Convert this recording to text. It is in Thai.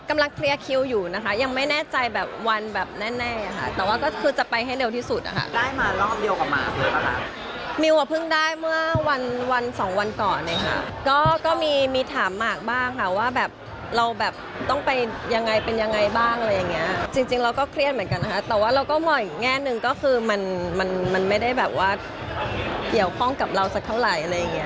ไม่ได้แบบว่าเกี่ยวข้องกับเราสักเท่าไรอะไรอย่างนี้